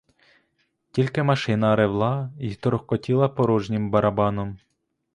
Тільки машина ревла й торохкотіла порожнім барабаном.